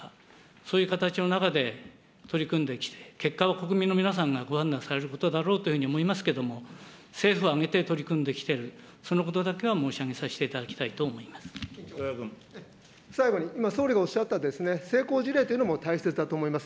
そういう形の中で、取り組んできて、結果を国民の皆さんがご判断されることだろうと思いますけれども、政府を挙げて取り組んできている、そのことだけは申し上げさせてい最後に、今、総理がおっしゃった成功事例というのも大切だと思います。